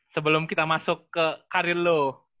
sebelum kita masuk ke karir lo